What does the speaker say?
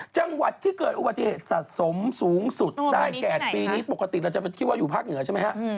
จังหวัดที่เกิดอุบัติเหตุสะสมสูงสุดได้แก่ปีนี้ปกติเราจะคิดว่าอยู่ภาคเหนือใช่ไหมฮะ